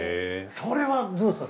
それはどうですか？